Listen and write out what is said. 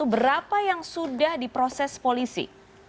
berapa yang sudah diproses polisi